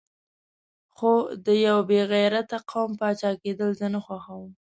خو د یو بې غیرته قوم پاچا کېدل زه نه خوښوم.